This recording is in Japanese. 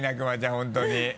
本当に。